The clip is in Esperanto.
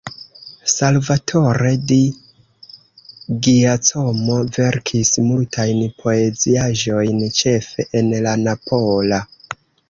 Salvatore Di Giacomo verkis multajn poeziaĵojn ĉefe en la napola.